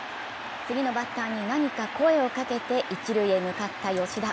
次のバッターに何か声をかけて一塁へ向かった吉田。